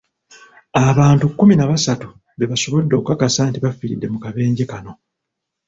Abantu kkumi na basatu be basobodde okukakasa nti bafiiridde mu kabenje kano.